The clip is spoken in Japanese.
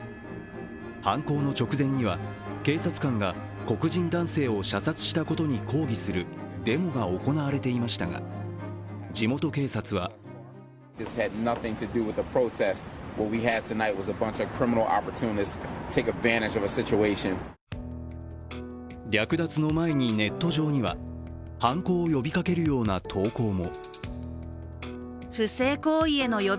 犯行の直前には警察官が黒人男性を射殺したことに抗議するデモが行われていましたが地元警察は略奪の前にネット上には犯行を呼びかけるような投稿も。